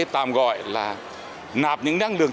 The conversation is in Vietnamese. tạm gọi là nạp những năng lượng